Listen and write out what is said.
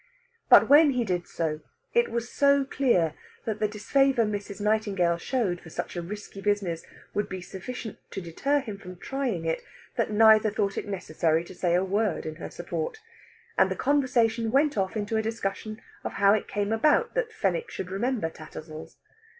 But when he did so, it was so clear that the disfavour Mrs. Nightingale showed for such a risky business would be sufficient to deter him from trying it that neither thought it necessary to say a word in her support; and the conversation went off into a discussion of how it came about that Fenwick should remember Tattersall's.